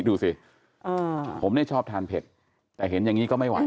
ดูสิผมเนี่ยชอบทานเผ็ดแต่เห็นอย่างนี้ก็ไม่ไหว